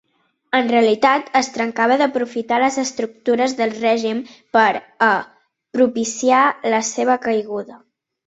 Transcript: En realitat es tractava d'aprofitar les estructures del règim per a propiciar la seva caiguda.